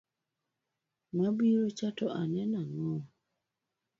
Mabirocha to aneno ang’o?